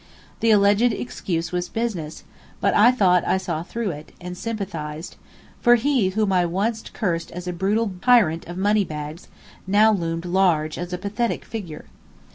The excuse alleged was business, but I thought I saw through it, and sympathized; for he whom I had once cursed as a brutal tyrant of money bags now loomed large as a pathetic figure.